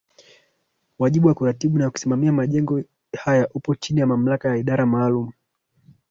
Wajibu wa kuratibu na kusimamia majengo haya upo chini ya mamlaka ya Idara maalum